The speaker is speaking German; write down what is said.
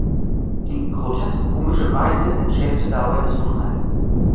Die grotesk-komische Weise entschärfte dabei das Unheil.